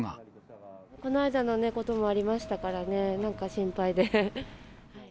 この間のこともありましたからね、なんか心配で。